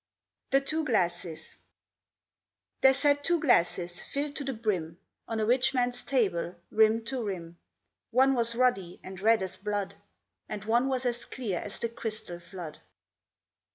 THE TWO GLASSES There sat two glasses, filled to the brim, On a rich man's table, rim to rim. One was ruddy and red as blood, And one was as clear as the crystal flood.